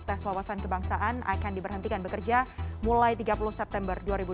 tes wawasan kebangsaan akan diberhentikan bekerja mulai tiga puluh september dua ribu dua puluh